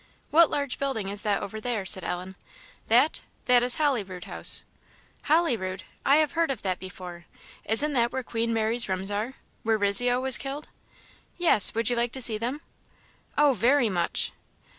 "What large building is that over there?" said Ellen. "That? that is Holyrood House." "Holyrood! I have heard of that before; isn't that where Queen Mary's rooms are? where Rizzio was killed?" "Yes; would you like to see them?" "Oh, very much!"